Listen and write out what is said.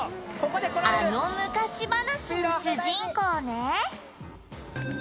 「あの昔話の主人公ね」